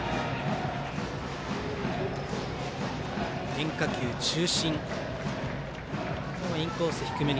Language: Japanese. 変化球中心。